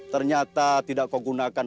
ternyata tidak kau gunakan